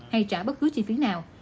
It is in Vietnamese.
hay trả bất cứ chi phí nào